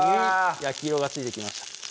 焼き色がついてきました